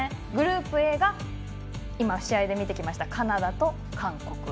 グループＡが試合で出てきましたカナダ対韓国。